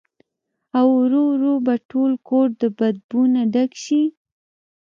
او ورو ورو به ټول کور د بدبو نه ډک شي